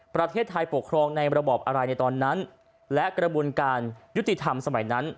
ประเทศไทยปกครองในระบอบอะไรในตอนนั้นและกระบวนการยุติธรรมสมัยนั้น